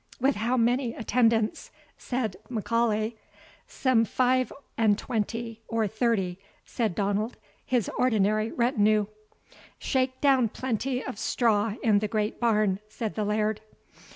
"With how many attendants?" said M'Aulay. "Some five and twenty or thirty," said Donald, "his ordinary retinue." "Shake down plenty of straw in the great barn," said the Laird.